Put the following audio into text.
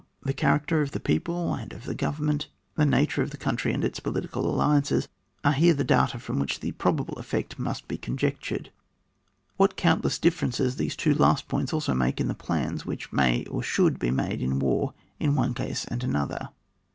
The character of the people and of the GK>vemnienty the nature of the country and its political alliances, are here the data from which the probable effect must be conjectured. What countless differences these two last points alone make in the plans which may and should be made in war in one case and another